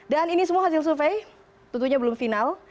dan ini semua hasil survei tentunya belum final